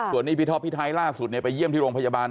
ส่วนนี้พี่ท็อปพี่ไทยล่าสุดไปเยี่ยมที่โรงพยาบาล